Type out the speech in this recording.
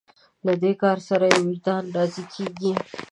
له دې کار سره یې وجدان راضي کېږي.